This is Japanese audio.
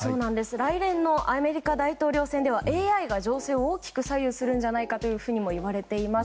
来年のアメリカ大統領選ではＡＩが情勢を大きく左右するともいわれています。